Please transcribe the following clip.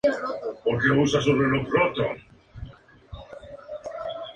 Son indicios que ayudan al investigador a resolver el caso.